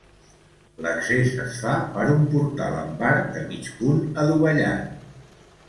L'accés es fa per un portal amb arc de mig punt adovellat.